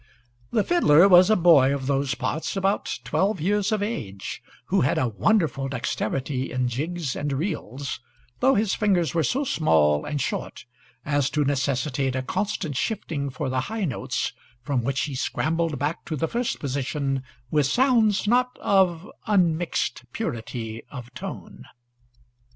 The fiddler was a boy of those parts, about twelve years of age, who had a wonderful dexterity in jigs and reels, though his fingers were so small and short as to necessitate a constant shifting for the high notes, from which he scrambled back to the first position with sounds not of unmixed purity of tone.